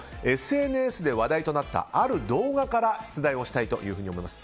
ＳＮＳで話題となったある動画から出題をしたいと思います。